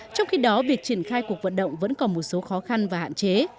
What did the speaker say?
trong khi đó việc triển khai cuộc vận động vẫn còn một số khó khăn và hạn chế